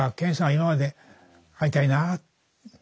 今まで「会いたいなあ」